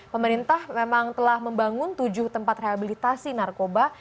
pemerintah memang telah membangun tujuh tempat rehabilitasi narkoba